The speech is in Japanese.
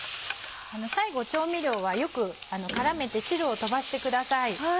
最後調味料はよく絡めて汁を飛ばしてください。